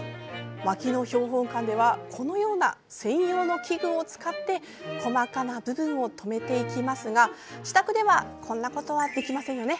牧野標本館ではこのような専用の器具を使って細かな部分を留めていきますが自宅ではこんなことはできませんよね。